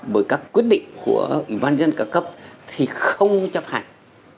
bởi các quyết định của ủy ban dân ca cấp thì không chấp hành